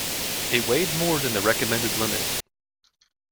It weighed more than the recommended limit.